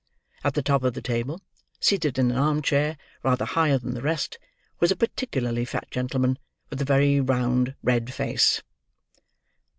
At the top of the table, seated in an arm chair rather higher than the rest, was a particularly fat gentleman with a very round, red face.